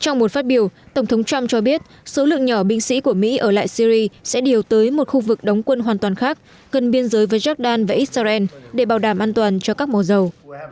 trong một phát biểu tổng thống trump cho biết số lượng nhỏ binh sĩ của mỹ ở lại syri sẽ điều tới một khu vực đóng quân hoàn toàn khác gần biên giới với jordan và israel để bảo đảm an toàn cho các mô dầu